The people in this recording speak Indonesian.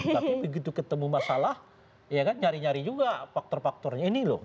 tapi begitu ketemu masalah ya kan nyari nyari juga faktor faktornya ini loh